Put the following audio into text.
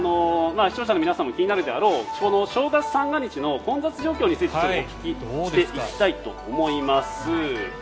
視聴者の皆さんも気になるであろう正月三が日の混雑状況についてお聞きしていきたいと思います。